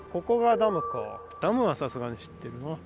ダムはさすがに知ってるな。